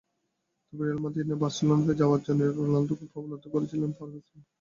তবে Real Madrid নয়, বার্সেলোনাতে যাওয়ার জন্য রোনালদোকে প্রলুব্ধ করেছিলেন ফার্গুসন।